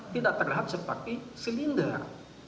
tidak terlihat seperti silinder